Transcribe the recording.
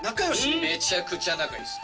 めちゃくちゃ仲いいです。